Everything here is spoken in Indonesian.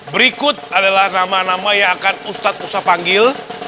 berikut adalah nama nama yang akan ustadz usah panggil